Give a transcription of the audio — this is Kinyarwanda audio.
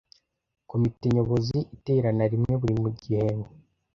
Komite Nyobozi iterana rimwe buri gihembwe